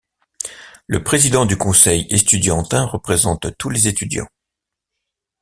Le président du conseil estudiantin représente tous les étudiants.